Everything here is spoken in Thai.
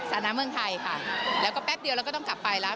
นะเมืองไทยค่ะแล้วก็แป๊บเดียวเราก็ต้องกลับไปแล้ว